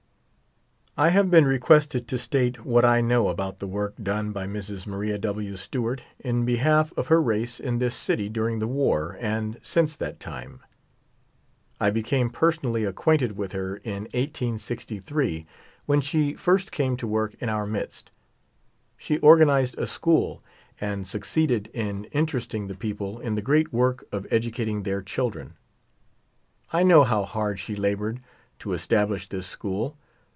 I have been requested to state what I know about the work done by Mrs. Maria W. Stewart in behalf of her race in this city during the war and since that time. I became personally acquainted with her in 1863, when she first came to work in our midst. She organized a school and succeeded in interesting the people in the great work of educating their children. I know how hard 12 she labored to establish this school.